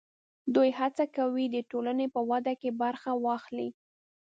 دوی هڅه کوي د ټولنې په وده کې برخه واخلي.